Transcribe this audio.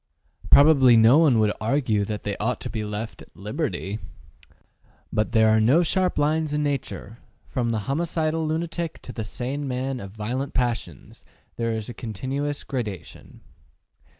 Probably no one would argue that they ought to be left at liberty. But there are no sharp lines in nature; from the homicidal lunatic to the sane man of violent passions there is a continuous gradation.